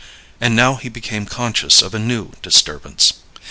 And now he became conscious of a new disturbance.